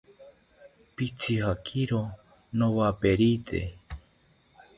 Pitzijakiro nowaperite